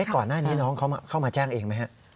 ก่อนหน้านี้เขามาแจ้งเองไหม